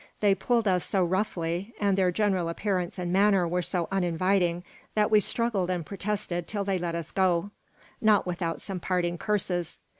They pulled us so roughly and their general appearance and manner were so uninviting that we struggled and protested until they let us go not without some parting curses.